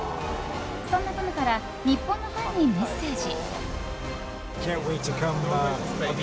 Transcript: そんなトムから日本のファンにメッセージ。